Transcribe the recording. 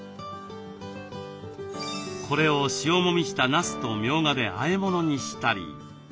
これを塩もみしたなすとみょうがであえ物にしたり。